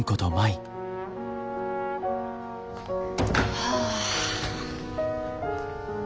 はあ。